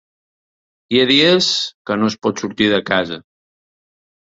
Hi ha dies que no es pot sortir de casa.